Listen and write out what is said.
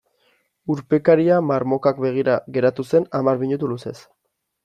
Urpekaria marmokak begira geratu zen hamar minutu luzez.